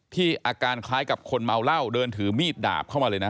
อาการคล้ายกับคนเมาเหล้าเดินถือมีดดาบเข้ามาเลยนะ